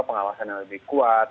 pengawasan yang lebih kuat